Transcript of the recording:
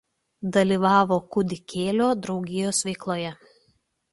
Dalyvavo „Kūdikėlio“ draugijos veikloje.